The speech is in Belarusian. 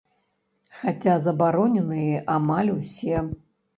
Хаця забароненыя амаль усе.